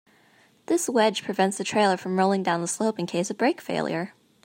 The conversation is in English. This wedge prevents the trailer from rolling down the slope in case of brake failure.